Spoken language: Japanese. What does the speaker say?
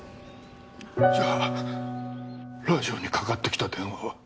じゃラジオにかかってきた電話は？